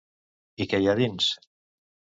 I què hi ha a dins?